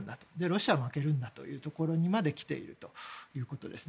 ロシアは負けるんだというところにまで来ているということです。